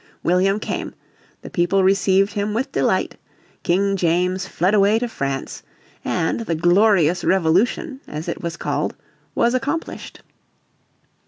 William came, the people received him with delight, King James fled away to France, and the "glorious Revolution," as it was called, was accomplished.